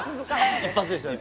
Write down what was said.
一発でしたね。